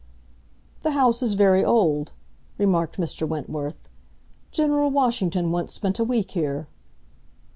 "The house is very old," remarked Mr. Wentworth. "General Washington once spent a week here."